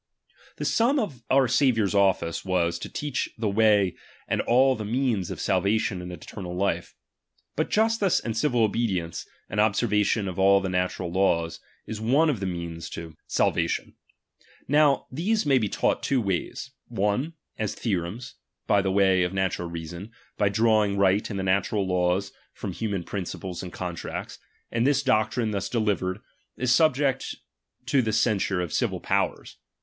The sum of our Saviour's office was, to teach " belong, to oh the way and all the means of salvation and eternal «, t^t, moas life. But justice and civil obedience, and observa c^'uri^iTbnr^ tion of all the natural laws, is one of the means to " i"" ^•»^°^^' I 270 RELIGION. [. salvatioD. Now these may be taught two ways ; j^ one, as theorevis, by the way of natural reason, by —» drawing right and the natural laws from human _ o principles and contracts ; and this doctrine thus delivered, is subject to the censure of civil powers.